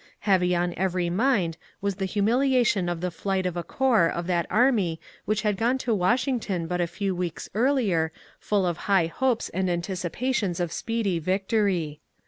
Heavy on every mind was the humiliation of the flight of a corps of that army which had gone to Washington but a few weeks earlier full of high hopes and anticipations of speedy victory.